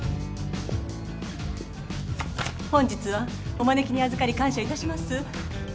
本日はお招きにあずかり感謝いたします。